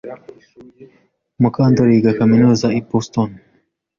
Mukandori yiga kaminuza i Boston.